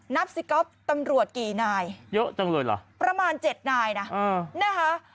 นับสิก๊อบตำรวจกี่นายประมาณ๗นายนะฮะ